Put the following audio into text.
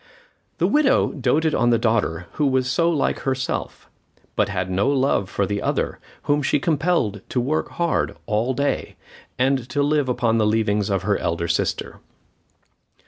The widow doted on the daughter who was so like herself, but had no love for the other, whom she compelled to work hard all day, and to live upon the leavings of her elder sister.